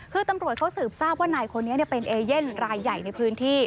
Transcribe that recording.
คือตำรวจเขาสืบทราบว่านายคนนี้เป็นเอเย่นรายใหญ่ในพื้นที่